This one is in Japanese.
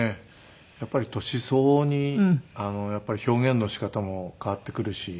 やっぱり年相応に表現の仕方も変わってくるし。